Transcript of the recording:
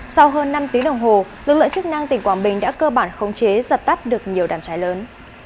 sau hơn năm tiếng đồng hồ lực lượng chức năng tỉnh quảng bình đã cơ bản không chế dập tắt được nhiều đâm chai lớn